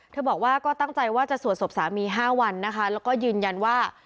บอกว่าก็ตั้งใจว่าจะสวดศพสามี๕วันนะคะแล้วก็ยืนยันว่า